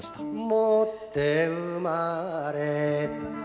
「持って生まれた」